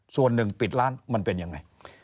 ส่วนหนึ่งปิดร้านมันเป็นยังไง